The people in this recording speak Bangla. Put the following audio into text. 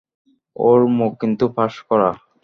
ওর মুখ কিন্তু পাশ করা।